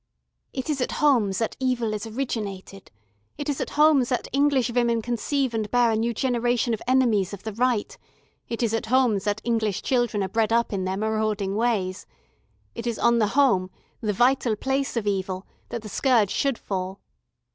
"It is at home that Evil is originated, it is at home that English women conceive and bear a new generation of enemies of the Right, it is at home that English children are bred up in their marauding ways. It is on the home, the vital place of Evil, that the scourge should fall."